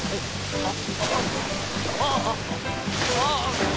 あっ。